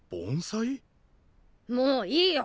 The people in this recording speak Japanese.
もういいよ！